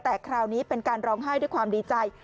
แต่คราวนี้เป็นการร้องไห้ด้วยความดีใจ